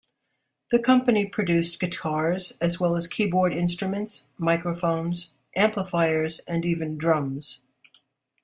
The company produced guitars as well as keyboard instruments, microphones, amplifiers and even drums.